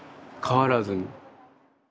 変わらずに。